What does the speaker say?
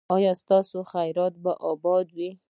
ایا ستاسو اخرت به اباد وي؟